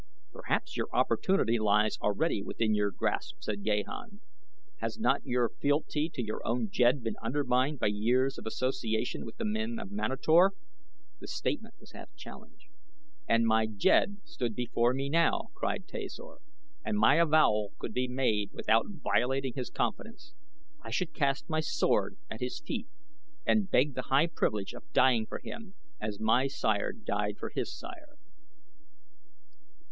"Perhaps your opportunity lies already within your grasp," said Gahan, "has not your fealty to your own Jed been undermined by years of association with the men of Manator." The statement was half challenge. "And my Jed stood before me now," cried Tasor, "and my avowal could be made without violating his confidence, I should cast my sword at his feet and beg the high privilege of dying for him as my sire died for his sire."